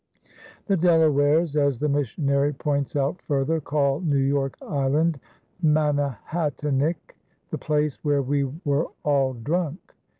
The Delawares, as the missionary points out further, call New York Island "Mannahattanik," "the place where we were all drunk."